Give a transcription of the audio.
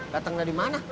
datang dari mana